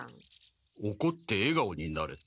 おこってえがおになれと？